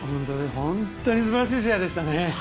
本当にすばらしい試合でしたね。